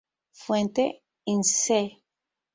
Fuente: Insee